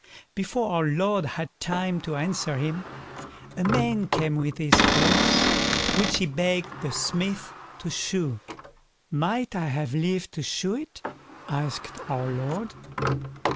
Before our Lord had time to answer him, a man came with his horse, which he begged the Smith to shoe. "Might I have leave to shoe it?" asked our Lord.